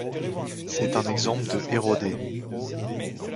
C'est un exemple de érodées.